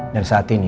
dan saat ini